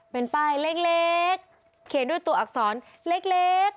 เป็นป้ายเล็กเขียนด้วยตัวอักษรเล็ก